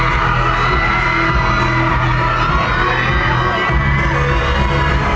ไม่ต้องถามไม่ต้องถาม